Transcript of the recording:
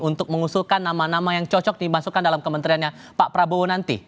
untuk mengusulkan nama nama yang cocok dimasukkan dalam kementeriannya pak prabowo nanti